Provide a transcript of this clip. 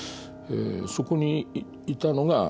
そこにいたのが母。